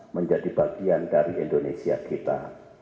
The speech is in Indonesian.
menjadi bagian dari indonesia kita